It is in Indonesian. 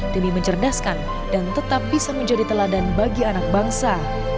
demi mencerdaskan dan tetap bisa menjadi teladan bagi anak bangsa